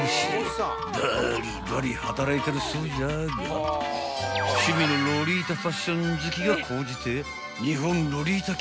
［バーリバリ働いてるそうじゃが趣味のロリータファッション好きが高じて］